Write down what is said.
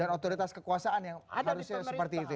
dan otoritas kekuasaan yang harusnya seperti itu ya